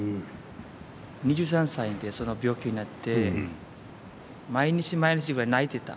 ２３歳でその病気になって毎日毎日、泣いてた。